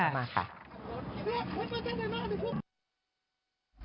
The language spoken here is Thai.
มาค่ะค่ะ